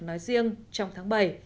nói riêng trong tháng bảy